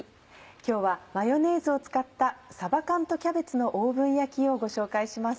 今日はマヨネーズを使った「さば缶とキャベツのオーブン焼き」をご紹介します。